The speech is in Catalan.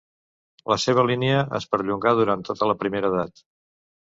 La seva línia es perllongà durant tota la Primera Edat.